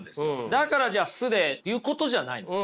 だからじゃあ素でっていうことじゃないんですよね。